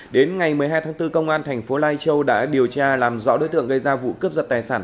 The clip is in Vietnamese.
đến ngày một mươi hai tháng bốn công an tp lai châu đã điều tra làm rõ đối tượng gây ra vụ cướp dập tài sản